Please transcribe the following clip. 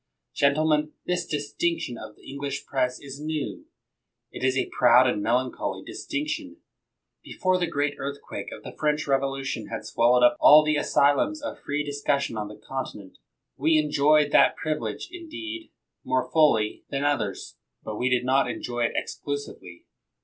Gentlemen, this distinction of the English Press is new; it is a proud and melan choly distinction. Before the great earthquake of the French Revolution had swallowed up all the asylums of free discussion on the continent, we enjoyed that privile#re, indeed, more fully 87 THE WORLD'S FAMOUS ORATIONS than others ; but we did not enjoy it exclusively.